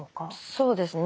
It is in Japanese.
そうですね。